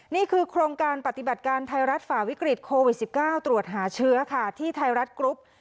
นี่คือโครงการปฏิบัติการไทยรัฐฝ่าวิกฤตโควิด๑๙ตรวจหาเชื้อค่ะที่ไทยรัฐกรุ๊ป